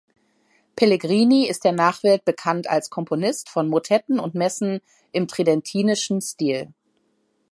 Pellegrini ist der Nachwelt bekannt als Komponist von Motetten und Messen im tridentinischen Stil.